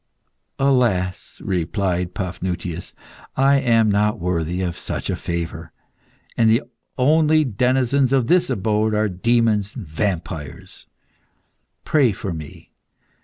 "Alas!" replied Paphnutius, "I am not worthy of such a favour, and the only denizens of this abode are demons and vampires. Pray for me.